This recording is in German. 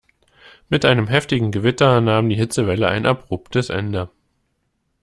Mit einem heftigen Gewitter nahm die Hitzewelle ein abruptes Ende.